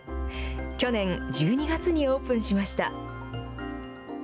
去年１２月にオープンしました。